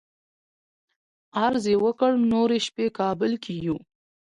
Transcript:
عرض یې وکړ نورې شپې کابل کې یو.